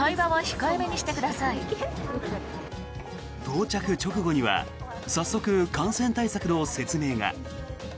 到着直後には早速、感染対策の説明が。